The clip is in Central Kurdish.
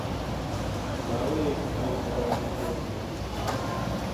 ماوەیەکی پێچوو ڕادیۆ ئێران گوتی: